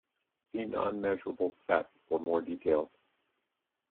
See non-measurable set for more details.